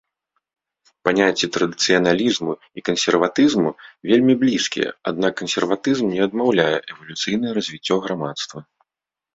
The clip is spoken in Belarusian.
Паняцці традыцыяналізму і кансерватызму вельмі блізкія, аднак кансерватызм не адмаўляе эвалюцыйнае развіццё грамадства.